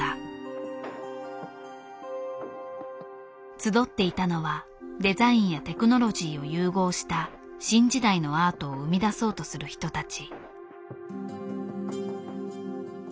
集っていたのはデザインやテクノロジーを融合した新時代のアートを生み出そうとする人たち。